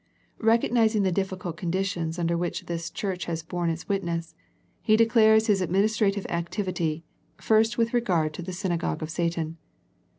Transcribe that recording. Recognizing the difficult conditions under which this church has borne its witness. He declares His administrative activity, first with regard to the synagogue of Satan.